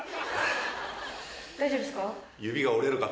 大丈夫ですか？